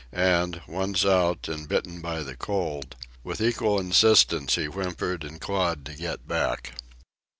And, once out and bitten by the cold, with equal insistence he whimpered and clawed to get back.